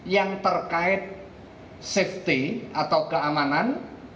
yang terkait safety atau keamanan